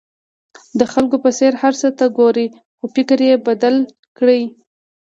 د خلکو په څېر هر څه ته ګورئ خو فکر یې بدل کړئ.